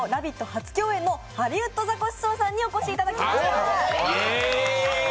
初共演のハリウッドザコシショウさんにお越しいただきました。